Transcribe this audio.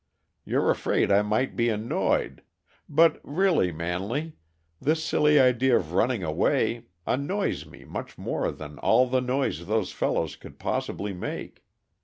You're afraid I might be annoyed but, really, Manley, this silly idea of running away annoys me much more than all the noise those fellows could possibly make.